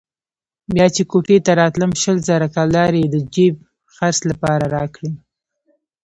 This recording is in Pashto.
بيا چې کوټې ته راتلم شل زره کلدارې يې د جېب خرڅ لپاره راکړې.